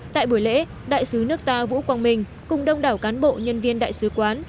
tại buổi lễ đại sứ nước ta vũ quang minh cùng đông đảo cán bộ nhân viên đại sứ quán